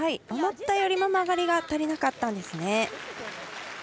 思ったよりも曲がりが足りなかったですね。